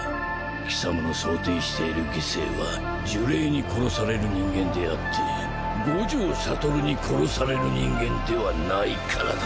貴様の想定している犠牲は呪霊に殺される人間であって五条悟に殺される人間ではないからだ。